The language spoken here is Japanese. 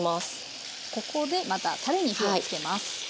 ここでまたたれに火をつけます。